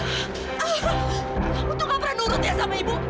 aku tuh gak pernah nurut ya sama ibu